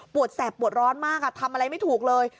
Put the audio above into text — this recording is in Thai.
แสบปวดร้อนมากทำอะไรไม่ถูกเลย